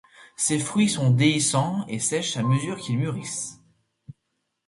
Ces fruits sont déhiscents et sèchent à mesure qu'ils mûrissent.